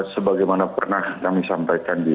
sebagaimana pernah kami sampaikan di